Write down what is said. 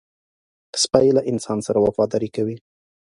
سپي له انسان سره وفاداري کوي.